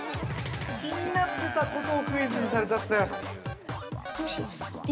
気になってたことをクイズにされちゃったよ。